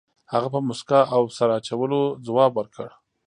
هغه په موسکا او سر اچولو ځواب ورکړ.